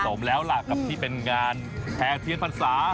สมแล้วล่ะกับที่เป็นงานแห่เทียนพรรษา